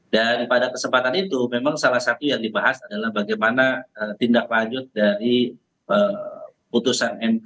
dan pada kesempatan itu memang salah satu yang dibahas adalah bagaimana tindak lanjut dari putusan mk